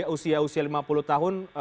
usia usia lima puluh tahun